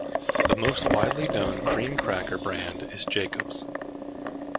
The most widely known cream cracker brand is Jacob's.